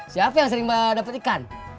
siapa yang sering dapat ikan